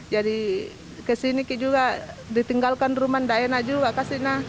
jadi kesini juga ditinggalkan rumah tidak enak juga